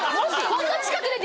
こんな近くで。